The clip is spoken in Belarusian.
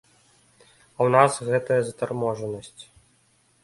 А ў нас гэтая затарможанасць.